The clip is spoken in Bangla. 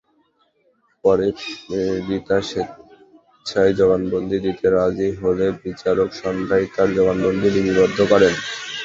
পরে রিতা স্বেচ্ছায়জবানবন্দি দিতে রাজি হলে বিচারক সন্ধ্যায় তাঁর জবানবন্দি লিপিবদ্ধ করেন।